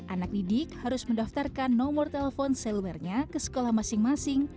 anak didik harus mendaftarkan nomor telepon selulernya ke sekolah masing masing